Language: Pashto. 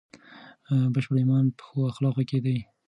بشپړ ایمان په ښو اخلاقو کې دی.